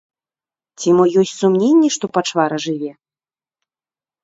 Ці мо ёсць сумненні, што пачвара жыве?